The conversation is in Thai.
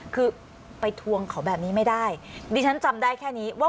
คือไปทวงเขาแบบนี้ไม่ได้ดิฉันจำได้แค่นี้ว่า